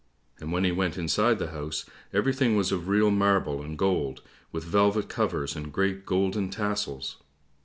And when he went inside the house, everything was of real marble and gold, with velvet covers and great golden tassels.